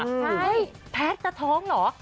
แพทย์จะท้องเหรอ